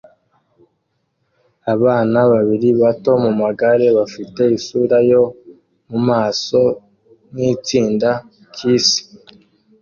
Abana babiri bato mumagare bafite isura yo mumaso nkitsinda "Kiss"